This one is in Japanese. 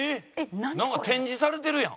なんか展示されてるやん。